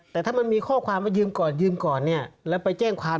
แต่ถ้ามันมีข้อความว่ายืมก่อนแล้วไปแจ้งความ